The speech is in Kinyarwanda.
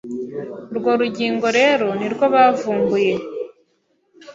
Urwo rugingo rero nirwo bavumbuye